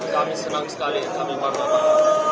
kami senang sekali kami bangga banget